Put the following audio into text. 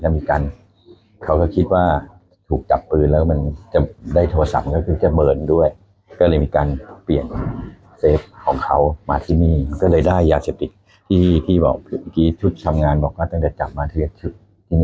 มีการเขาก็คิดว่าถูกจับปืนแล้วมันจะได้โทรศัพท์ก็คือจะเมินด้วยก็เลยมีการเปลี่ยนของเขามาที่นี่ก็เลยได้ยาเสพติกที่ที่บอกเมื่อกี้ชุดทำงานบอกว่าต้องจะจับมาที่นี่ถือว่าเยอะนะครับ